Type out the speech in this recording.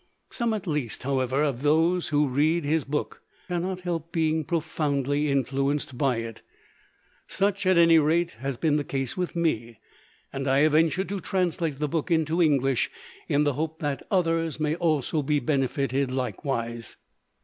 Some at least however, of those who read his book cannot help being profoundly influenced by it. Such, at any rate, has been the case with me; and I have ventured to translate the book into English in the hope that others may also be benefitted likewise.